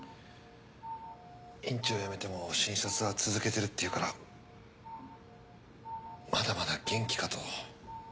院長を辞めても診察は続けてるって言うからまだまだ元気かと。